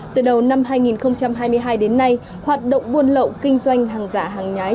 từ đầu năm hai nghìn hai mươi hai đến nay hoạt động buôn lậu kinh doanh hàng giả hàng nhái